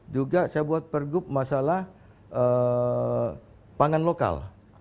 juga saya buat pergub masalah pangan lokal